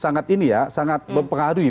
sangat ini ya sangat mempengaruhi